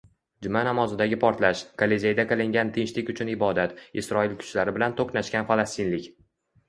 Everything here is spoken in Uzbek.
Juma namozidagi portlash, Kolizeyda qilingan tinchlik uchun ibodat, Isroil kuchlari bilan to‘qnashgan falastinlik